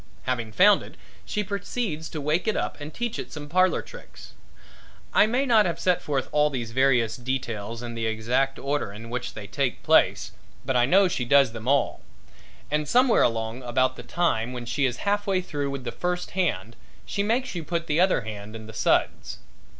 Having found it she proceeds to wake it up and teach it some parlor tricks. I may not have set forth all these various details in the exact order in which they take place, but I know she does them all. And somewhere along about the time when she is half way through with the first hand she makes you put the other hand in the suds.